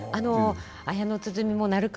「綾の鼓」も「鳴神」